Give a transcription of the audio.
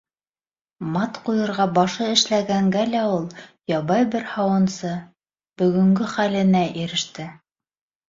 Мат ҡуйырға башы эшләгәнгә лә ул, ябай бер һауынсы, бөгөнгө хәленә иреште.